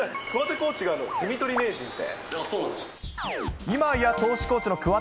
コーチがセミ捕り名人って。